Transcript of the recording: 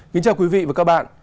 xin chào quý vị và các bạn